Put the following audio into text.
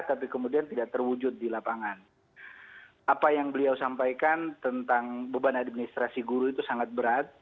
apa yang beliau sampaikan tentang beban administrasi guru itu sangat berat